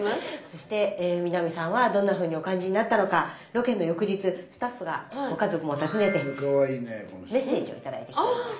そして美波さんはどんなふうにお感じになったのかロケの翌日スタッフがご家族を訪ねてメッセージを頂いてきています。